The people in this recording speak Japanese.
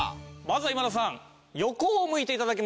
まずは今田さん。